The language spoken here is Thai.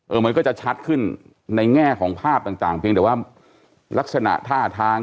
มันก็จะชัดขึ้นในแง่ของภาพต่างเพียงแต่ว่าลักษณะท่าทาง